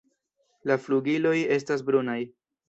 La flugiloj estas brunaj.